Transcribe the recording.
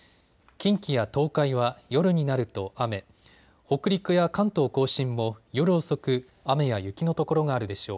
近畿や東海は夜になると雨北陸や関東甲信も夜遅く雨や雪の所があるでしょう。